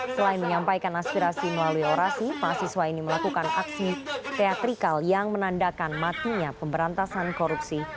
selain menyampaikan aspirasi melalui orasi mahasiswa ini melakukan aksi teatrikal yang menandakan matinya pemberantasan korupsi